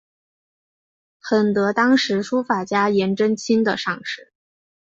很得当时书法家颜真卿的赏识。